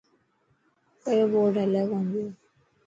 ڪئي بورڊ هلي ڪونه پيو.